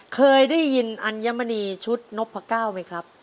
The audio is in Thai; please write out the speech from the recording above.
เคยได้ยินอัญมณีชุดนพก้าวไหมครับ